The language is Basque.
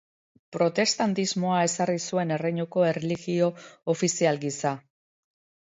Protestantismoa ezarri zuen erreinuko erlijio ofizial gisa.